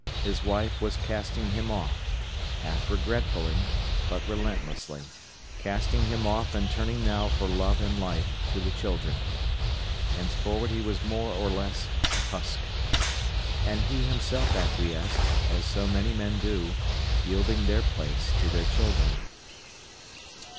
His wife was casting him off, half regretfully, but relentlessly; casting him off and turning now for love and life to the children. Henceforward he was more or less a husk. And he himself acquiesced, as so many men do, yielding their place to their children.